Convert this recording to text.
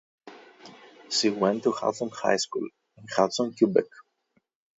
She went to Hudson High School, in Hudson, Quebec.